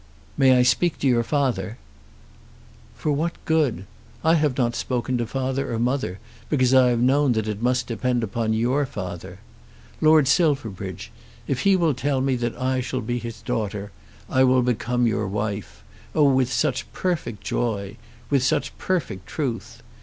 "May I speak to your father?" "For what good? I have not spoken to father or mother because I have known that it must depend upon your father. Lord Silverbridge, if he will tell me that I shall be his daughter, I will become your wife, oh, with such perfect joy, with such perfect truth!